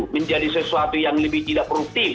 menjadi sesuatu yang lebih tidak produktif